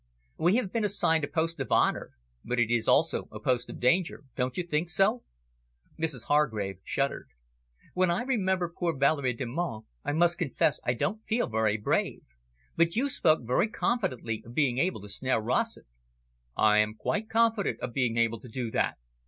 "We have been assigned a post of honour, but it is also a post of danger. Don't you think so?" Mrs Hargrave shivered. "When I remember poor Valerie Delmonte, I must confess I don't feel very brave. But you spoke very confidently of being able to snare Rossett." "I am quite confident of being able to do that."